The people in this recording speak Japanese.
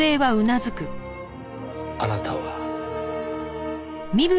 あなたは。